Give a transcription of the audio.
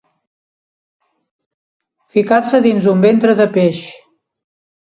Ficar-se dins d'un ventre de peix.